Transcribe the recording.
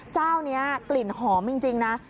เจ้านี้กลิ่นหอมจริงนะ